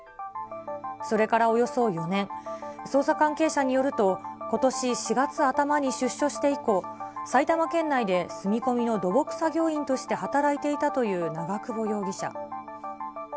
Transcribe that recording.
それからおよそ４年、捜査関係者によると、ことし４月頭に出所して以降、埼玉県内で住み込みの土木作業員として働いていたという長久保容疑者。